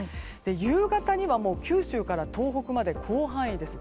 夕方には、九州から東北まで広範囲です。